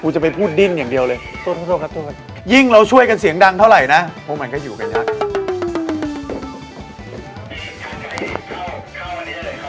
จะไปพูดดิ้นอย่างเดียวเลยยิ่งเราช่วยกันเสียงดังเท่าไหร่นะพวกมันก็อยู่กันยาก